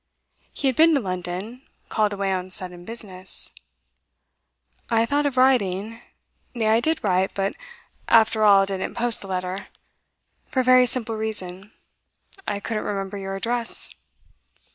He had been to London called away on sudden business. 'I thought of writing nay, I did write, but after all didn't post the letter. For a very simple reason I couldn't remember your address.